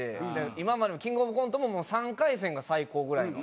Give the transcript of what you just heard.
今までのキングオブコントも３回戦が最高ぐらいの。